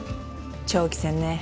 長期戦ね。